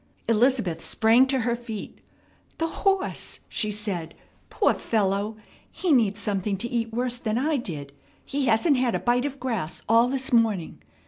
Elizabeth sprang to her feet. "The horse!" she said. "Poor fellow! He needs something to eat worse than I did. He hasn't had a bite of grass all this morning.